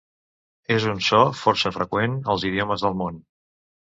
És un so força freqüent als idiomes del món.